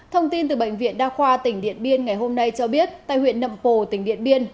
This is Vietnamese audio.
thông tin từ bệnh viện đa khoa tỉnh điện biên ngày hôm nay cho biết tại huyện nậm pồ tỉnh điện biên